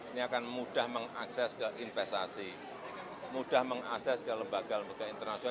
ini akan mudah mengakses ke investasi mudah mengakses ke lembaga lembaga internasional